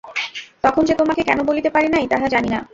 তখন যে তোমাকে কেন বলিতে পারি নাই, তাহা জানি না।